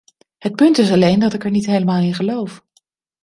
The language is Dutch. Het punt is alleen dat ik er niet helemaal in geloof.